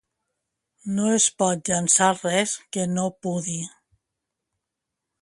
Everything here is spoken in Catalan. No es pot llençar res que no pudi.